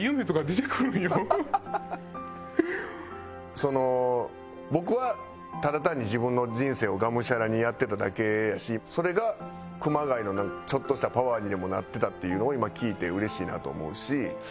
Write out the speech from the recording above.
その僕はただ単に自分の人生をがむしゃらにやってただけやしそれが熊谷のちょっとしたパワーにでもなってたっていうのを今聞いてうれしいなと思うし